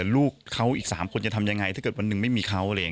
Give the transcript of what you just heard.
ลูกเขาอีก๓คนจะทำยังไงถ้าเกิดวันหนึ่งไม่มีเขา